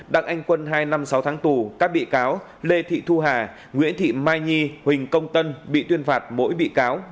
đặng anh quân hai năm sáu tháng tù các bị cáo lê thị thu hà nguyễn thị mai nhi huỳnh công tân bị tuyên phạt mỗi bị cáo một năm sáu tháng tù